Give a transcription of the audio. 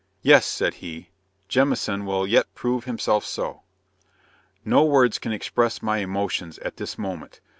yes, said he, Jamieson will yet prove himself so." No words can express my emotions at this moment.